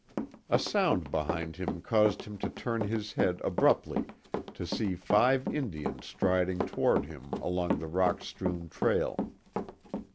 A sound behind him caused him to turn his head abruptly to see five Indians striding toward him along the rock strewn trail.